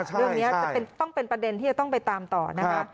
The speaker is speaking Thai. เรื่องนี้จะต้องเป็นประเด็นที่จะต้องไปตามต่อนะคะ